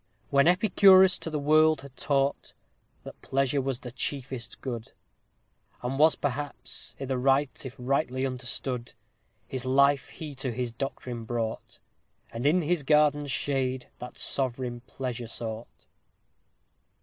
_When Epicurus to the world had taught, That pleasure was the chiefest good; And was perhaps i' th' right, if rightly understood, His life he to his doctrine brought And in his garden's shade that sovereign pleasure sought.